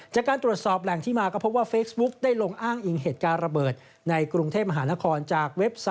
จากการตรวจสอบแหล่งที่มาก็พบว่า